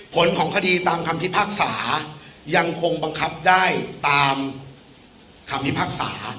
ผลของคดีตามคำพิพากษายังคงบังคับได้ตามคำพิพากษา